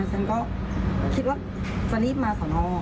ฉันก็คิดว่าจะรีบมาสอนอ